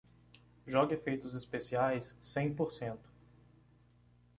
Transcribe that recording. Jogue efeitos especiais cem por cento